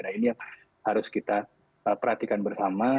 nah ini yang harus kita perhatikan bersama